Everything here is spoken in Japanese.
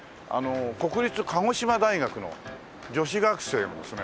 国立鹿児島大学の女子学生をですね